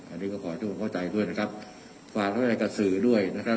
อันนี้ก็ขอให้ทุกคนเข้าใจด้วยนะครับฝากไว้อะไรกับสื่อด้วยนะครับ